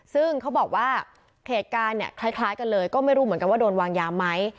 ซึ่งเขาบอกว่าเหตุการณ์เนี่ยคล้ายกันเลยก็ไม่รู้เหมือนกันว่าโดนวางยาไหม